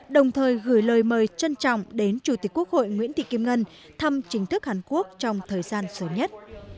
đồng thời gửi lời mời trân trọng đến chủ tịch quốc hội nguyễn thị kim ngân thăm chính thức hàn quốc trong thời gian sớm nhất